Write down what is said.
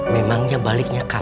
memangnya baliknya kapan